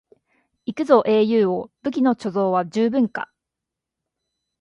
行くぞ英雄王、武器の貯蔵は十分か？